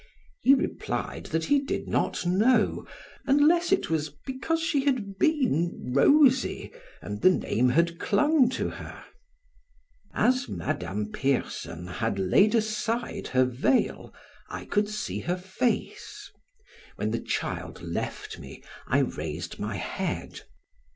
He replied that he did not know, unless it was because she had been rosy and the name had clung to her. As Madame Pierson had laid aside her veil, I could see her face; when the child left me I raised my head.